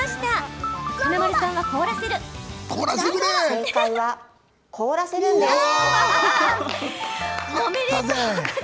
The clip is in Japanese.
正解は凍らせるんです。